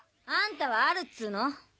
あんたはあるっつーの？